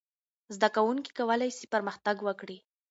زده کوونکي کولای سي پرمختګ وکړي.